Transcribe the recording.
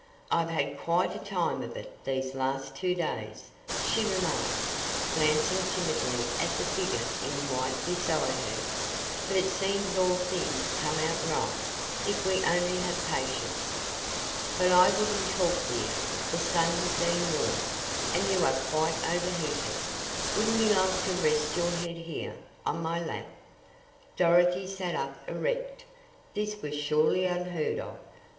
"I've had quite a time of it these last two days," she remarked, glancing timidly at the figure in white beside her, "but it seems all things come out right if we only have patience." "But I wouldn't talk dear the sun has been warm, and you are quite overheated. Wouldn't you like to rest your head here, on my lap?" Dorothy sat up erect. This was surely unheard of.